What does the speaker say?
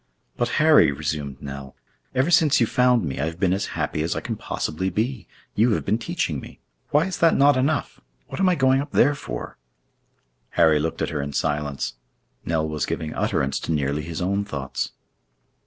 "But, Harry," resumed Nell, "ever since you found me, I have been as happy as I can possibly be. You have been teaching me. Why is that not enough? What am I going up there for?" Harry looked at her in silence. Nell was giving utterance to nearly his own thoughts.